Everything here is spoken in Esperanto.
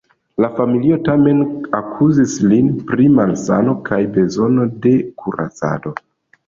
Lia familio tamen akuzis lin pri malsano kaj bezono de kuracado.